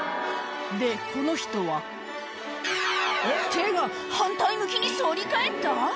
でこの人は手が反対向きに反り返った？